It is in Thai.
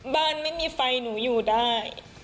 บ้านไม่มีไฟหนูอยู่ได้